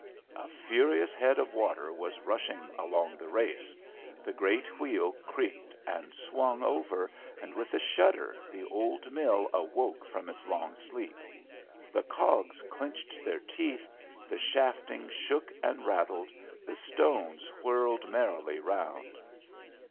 A furious head of water was rushing along the race; the great wheel creaked and swung over, and with a shudder the old mill awoke from its long sleep. The cogs clenched their teeth, the shafting shook and rattled, the stones whirled merrily round.